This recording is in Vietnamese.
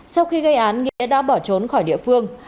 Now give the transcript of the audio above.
sau khi gây án nghĩa đã bỏ trốn khỏi địa phương